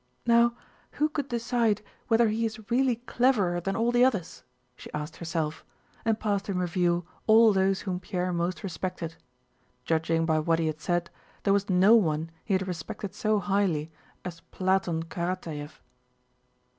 "Now who could decide whether he is really cleverer than all the others?" she asked herself, and passed in review all those whom Pierre most respected. Judging by what he had said there was no one he had respected so highly as Platón Karatáev.